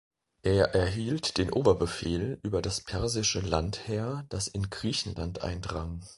Er erhielt den Oberbefehl über das persische Landheer, das in Griechenland eindrang.